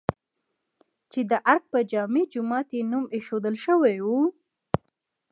چې د ارګ په جامع جومات یې نوم ايښودل شوی و؟